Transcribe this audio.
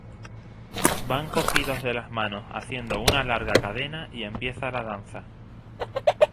Van cogidos de las manos haciendo una larga cadena y empieza la danza.